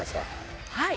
はい！